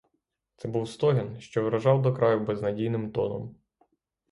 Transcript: Це був стогін, що вражав до краю безнадійним тоном.